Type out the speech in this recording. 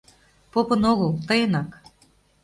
Попын огыл, тыйынак...